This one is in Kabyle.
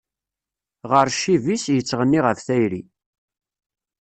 Ɣer ccib-is, yettɣenni ɣef tayri.